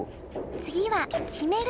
次は決める